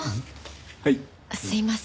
あのすいません。